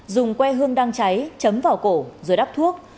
dùng que hương đang cháy chấm vào cổ rồi đắp thuốc